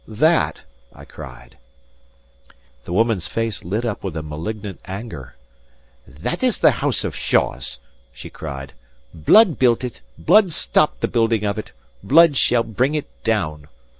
"That!" I cried. The woman's face lit up with a malignant anger. "That is the house of Shaws!" she cried. "Blood built it; blood stopped the building of it; blood shall bring it down.